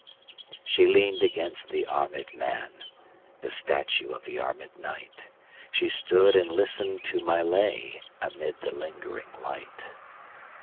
She lean'd against the armèd man, The statue of the armèd knight; She stood and listen'd to my lay, Amid the lingering light.